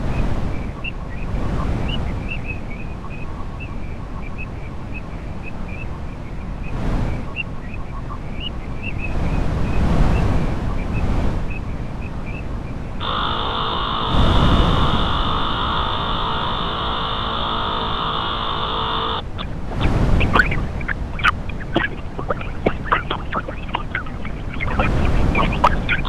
Ili yeyote amwaminio aokoke.